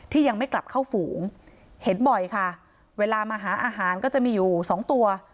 ยังไม่กลับเข้าฝูงเห็นบ่อยค่ะเวลามาหาอาหารก็จะมีอยู่สองตัว